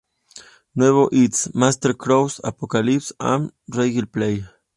Nuevos items: Master's Crown, Apocalypse Arm, Regal Plate.